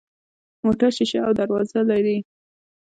موټر شیشه او دروازې لري.